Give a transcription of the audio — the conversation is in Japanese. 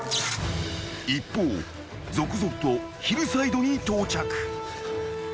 ［一方続々とヒルサイドに到着］